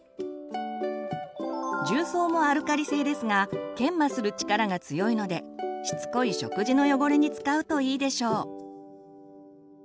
重曹もアルカリ性ですが研磨する力が強いのでしつこい食事の汚れに使うといいでしょう。